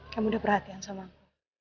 kamu udah perhatian sama aku